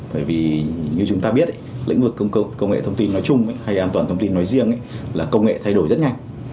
bởi vì như chúng ta biết lĩnh vực công nghệ thông tin nói chung hay an toàn thông tin nói riêng là công nghệ thay đổi rất nhanh